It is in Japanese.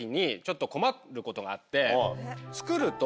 作ると。